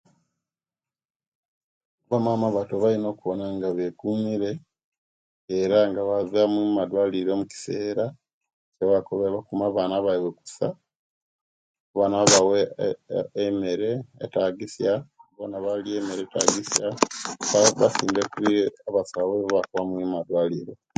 Abamama abato balina okuwona nga bekumire, era nga baba mumadwaliro mukisera bakume abana baiwe kuusa abana babawe eee emere etagisia, bona balie emere etagisia basimbe kubya abasawo ebyebabakobere mwidwaliro.